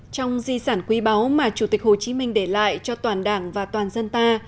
trong di sản quý báu mà chủ tịch hồ chí minh để lại cho toàn đảng và toàn dân ta